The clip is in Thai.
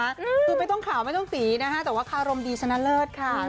คือไม่ต้องขาวไม่ต้องสีนะคะแต่ว่าคารมดีชนะเลิศค่ะ